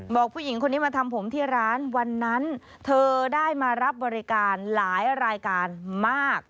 บอกผู้หญิงคนนี้มาทำผมที่ร้านวันนั้นเธอได้มารับบริการหลายรายการมาก